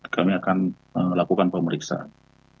kami akan lakukan pemeriksaan